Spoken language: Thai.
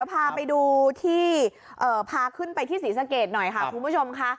พาไปดูที่พาขึ้นไปที่ศรีสะเกดหน่อยค่ะคุณผู้ชมค่ะ